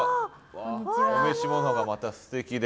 お召し物がまたすてきで。